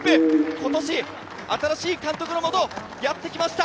今年、新しい監督のもと、やってきました。